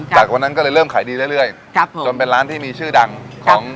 จากวันนั้นก็เลยเริ่มขายดีเรื่อยจนเป็นร้านที่มีชื่อดังของ